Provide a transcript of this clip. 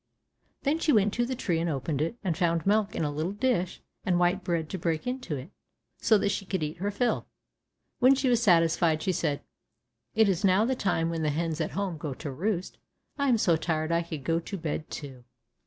Then she went to the tree and opened it, and found milk in a little dish, and white bread to break into it, so that she could eat her fill. When she was satisfied, she said, "It is now the time when the hens at home go to roost, I am so tired I could go to bed too."